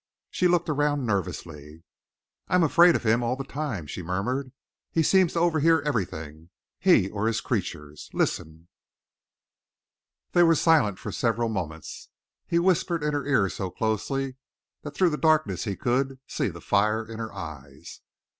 She looked around nervously. "I am afraid of him all the time," she murmured. "He seems to overhear everything he or his creatures. Listen!" They were silent for several moments. He whispered in her ear so closely that through the darkness he could, see the fire in her eyes.